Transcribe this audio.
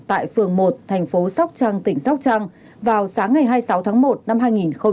tại phường một thành phố sóc trăng tỉnh sóc trăng vào sáng ngày hai mươi sáu tháng một năm hai nghìn hai mươi